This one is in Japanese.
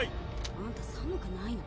あんた寒くないの？